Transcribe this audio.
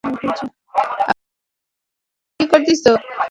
আমাদের চলে যাওয়া সময়ে হয়েছে।